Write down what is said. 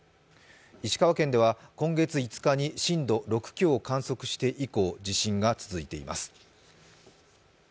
石川県では今月５日に震度６強を観測して以降、地震が続いています。